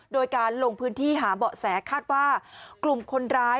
โดยการลงพื้นที่หาเบาะแสคาดว่ากลุ่มคนร้าย